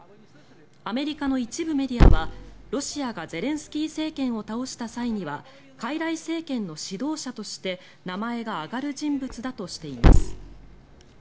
アメリカの一部メディアはロシアがゼレンスキー政権を倒した際にはかいらい政権の指導者として名前が挙がる人物だとしています。